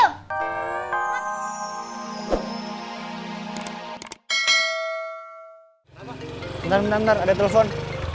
bentar bentar ada telepon